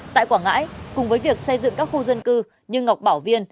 tại quảng ngãi cùng với việc xây dựng các khu dân cư như ngọc bảo viên